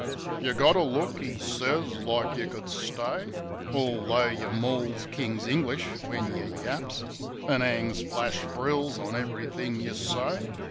"You got a look," 'e sez, "like you could stay; Altho' yeh mauls King's English when yeh yaps. An' 'angs flash frills on ev'rythink yeh say.